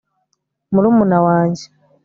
murumuna wanjye